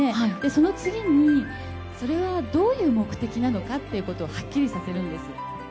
その次に、それはどういう目的なのかということをはっきりさせるんです。